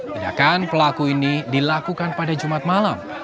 tindakan pelaku ini dilakukan pada jumat malam